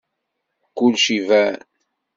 Kulec iban.